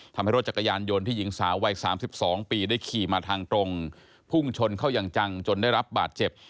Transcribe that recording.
ทำให้รถจักรยานยนต์ที่หญิงสาววัย๓๒ปีได้ขี่มาทางตรงพุ่งชนเข้าอย่างจังจนได้รับบาดเจ็บ